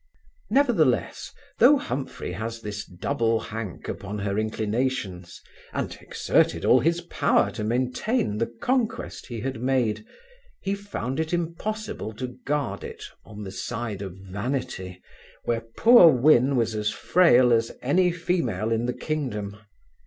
Nevertheless, though Humphry had this double hank upon her inclinations, and exerted all his power to maintain the conquest he had made, he found it impossible to guard it on the side of vanity, where poor Win was as frail as any female in the kingdom.